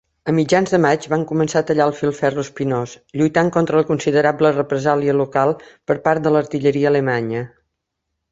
A mitjans de maig van començar a tallar el filferro espinós, lluitant contra la considerable represàlia local per part de l'artilleria alemanya.